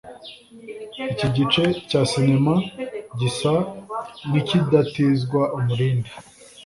Iki gice cya cinema gisa nk’ikidatizwa umurindi